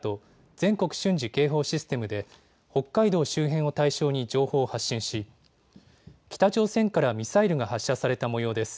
・全国瞬時警報システムで北海道周辺を対象に情報を発信し北朝鮮からミサイルが発射されたもようです。